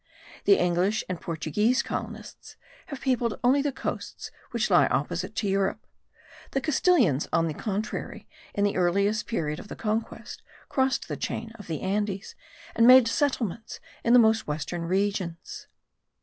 The English and Portuguese colonists have peopled only the coasts which lie opposite to Europe; the Castilians, on the contrary, in the earliest period of the conquest, crossed the chain of the Andes and made settlements in the most western regions.